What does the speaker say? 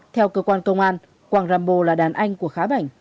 theo cơ quan công an quang rambo là đàn anh của khá bảnh